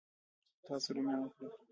تاسو رومیان وکرل؟